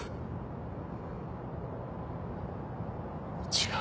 違う。